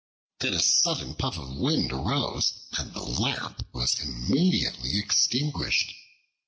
Then a sudden puff of wind arose, and the Lamp was immediately extinguished.